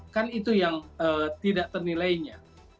kan itu yang tidak ternilainya